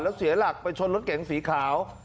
แล้วเสียหลักไปชนรถเก๋งสีขาว